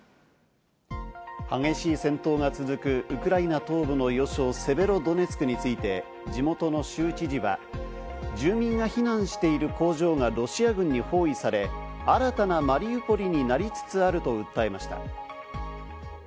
激しい戦闘が続くウクライナ東部の要衝、セベロドネツクについて、地元の州知事は住民が避難している工場がロシア軍に包囲され、新たなマリウポリになりつつあると訴えました。